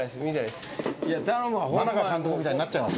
真中監督みたいになっちゃいます。